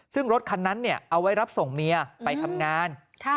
ซึ่งรถคันนั้นเอาไว้รับส่งเมียไปทำงาน